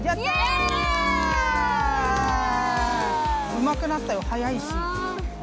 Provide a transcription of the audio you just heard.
うまくなったよ早いし。